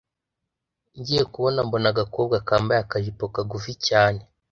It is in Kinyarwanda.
ngiye kubona mbona agakobwa kambaye akajipo kagufi cyane